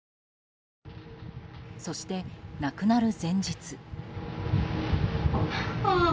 そして、亡くなる前日。